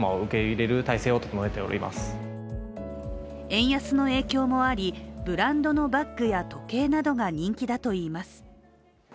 円安の影響もあり、ブランドのバッグや時計などが人気だといいます。